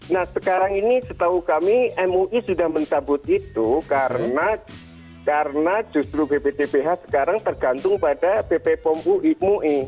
nah sekarang ini setahu kami mui sudah mencabut itu karena justru bpdph sekarang tergantung pada bp pom mui